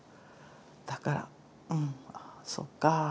だからうんそっか。